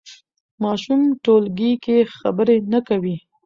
ماشوم ټولګي کې خبرې نه کوي.